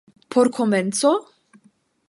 Por komenco?